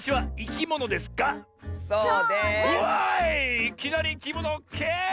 いきなりいきものかい！